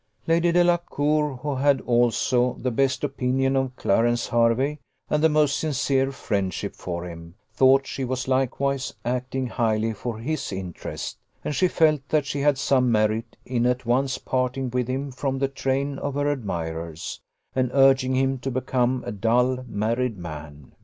Lady Delacour, who had also the best opinion of Clarence Hervey, and the most sincere friendship for him, thought she was likewise acting highly for his interest; and she felt that she had some merit in at once parting with him from the train of her admirers, and urging him to become a dull, married man.